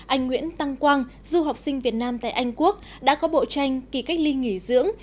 anh nguyễn tăng quang du học sinh việt nam tại anh quốc đã có bộ tranh kỳ cách ly nghỉ dưỡng